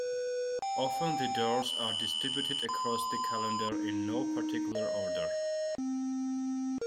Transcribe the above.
Often the doors are distributed across the calendar in no particular order.